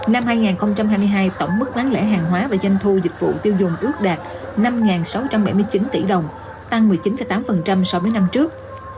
năm hai nghìn hai mươi hai tổng mức bán lẻ hàng hóa và doanh thu dịch vụ tiêu dùng ước đạt năm sáu trăm bảy mươi chín tỷ đồng tăng một mươi chín tám so với năm trước